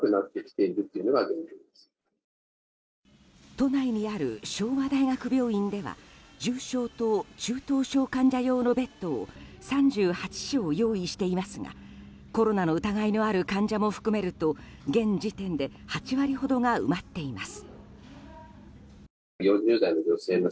都内にある昭和大学病院では重症と中等症患者用のベッドを３８床用意していますがコロナの疑いのある患者も含めると現時点で８割ほどが埋まっています。